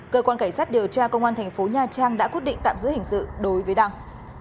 cơ quan cảnh sát điều tra công an thành phố nha trang đã quyết định tạm giữ hình sự đối với đăng